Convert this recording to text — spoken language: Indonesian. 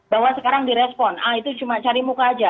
bahwa sekarang direspon ah itu cuma cari muka aja